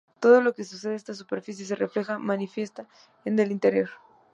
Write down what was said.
Todo lo que sucede en esa superficie, se refleja o manifiesta en el interior.